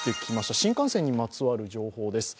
新幹線にまつわる情報です。